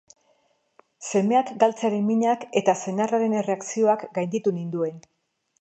Semeak galtzearen minak eta senarraren erreakzioak gainditu ninduen.